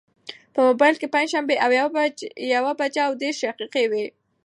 په مبایل کې پنجشنبه او یوه بجه او دېرش دقیقې وې.